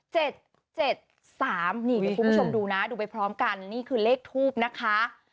เจ็ดเจ็ดสามนี่คุณผู้ชมดูน่ะดูไปพร้อมกันนี่คือเลขทูบนะคะ